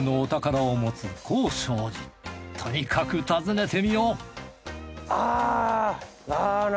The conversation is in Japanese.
とにかく訪ねてみようあ。